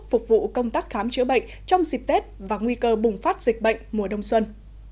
phục vụ công tác khám chữa bệnh trong dịp tết và nguy cơ bùng phát dịch bệnh mùa đông xuân